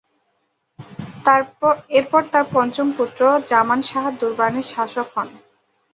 এরপর তার পঞ্চম পুত্র জামান শাহ দুররানি শাসক হন।